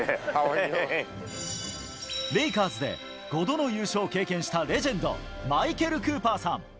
レイカーズで５度の優勝を経験したレジェンド、マイケル・クーパーさん。